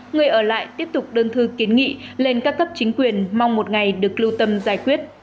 người ở lại tiếp tục đơn thư kiến nghị lên các cấp chính quyền mong một ngày được lưu tâm giải quyết